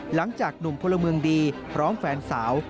หลังจากหนุ่มพลเมืองดีพร้อมแฟนสาว